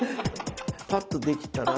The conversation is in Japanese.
パッとできたら。